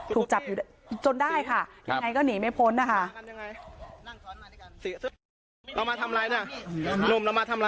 ถูกจับอยู่จนได้ค่ะยังไงก็หนีไม่พ้นนะคะ